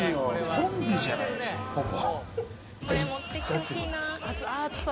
フォンデュじゃないほぼ。